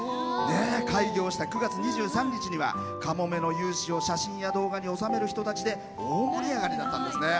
開業した９月２３日にはかもめの雄姿を写真や動画に収める人たちで大盛り上がりだったんですね。